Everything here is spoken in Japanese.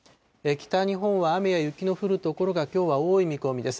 北日本は雨や雪の降る所がきょうは多い見込みです。